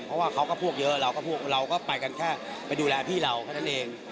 เพราะว่าเขาก็พวกเยอะเราก็ไปกันแค่ไปดูแลพี่เรานั่นเอง